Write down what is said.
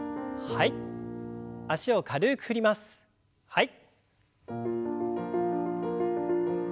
はい。